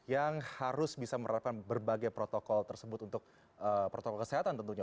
yang harus bisa menerapkan berbagai protokol tersebut untuk protokol kesehatan tentunya